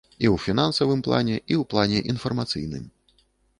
І ў фінансавым плане, і ў плане інфармацыйным.